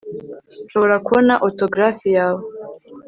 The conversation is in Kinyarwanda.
Nshobora kubona autografi yawe